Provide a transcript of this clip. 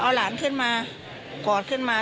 เอาหลานขึ้นมากอดขึ้นมา